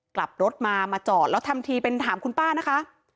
กลับรถมามาจอดแล้วทำทีเป็นถามคุณป้านะคะ